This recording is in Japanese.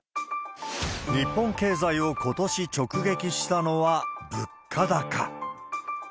日本経済をことし直撃したのは、物価高。